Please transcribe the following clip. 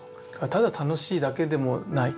ただ楽しいだけでもない。